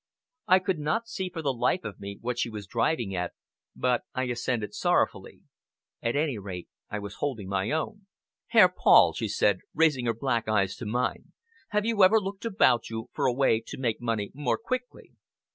I could not see for the life of me what she was driving at, but I assented sorrowfully. At any rate, I was holding my own. "Herr Paul," she said, raising her black eyes to mine, "have you ever looked about you for a way to make money more quickly?"